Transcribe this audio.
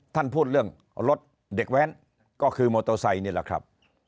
ท่านพูดเรื่องรถเด็กแว้นก็คือมอเตอร์ไซค์นี่แหละครับ